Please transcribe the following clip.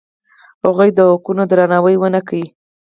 هغوی د حقونو درناوی ونه کړ.